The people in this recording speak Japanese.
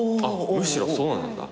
むしろそうなんだ。